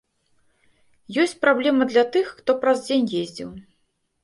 Ёсць праблема для тых, хто праз дзень ездзіў.